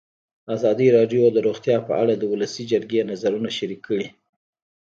ازادي راډیو د روغتیا په اړه د ولسي جرګې نظرونه شریک کړي.